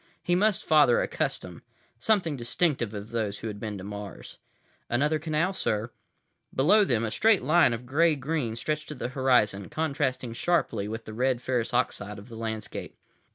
He must father a custom, something distinctive of those who had been to Mars— "Another canal, sir." Below them, a straight line of gray green stretched to the horizon, contrasting sharply with the red ferrous oxide of the landscape.